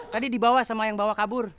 tadi dibawa sama yang bawa kabur